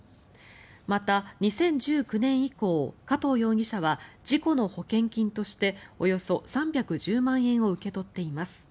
また、２０１９年以降加藤容疑者は事故の保険金としておよそ３１０万円を受け取っています。